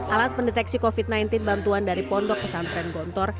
alat pendeteksi covid sembilan belas bantuan dari pondok pesantren gontor